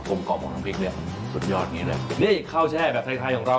กรมกล้องทอมพริกนี้สุดยอดอย่างงี้เนี้ยนี่ข้าวแช่ภาพไทยไทยของเรา